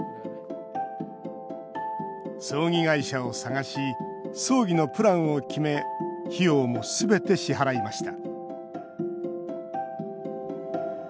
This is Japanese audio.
葬儀会社を探し葬儀のプランを決め費用もすべて支払いました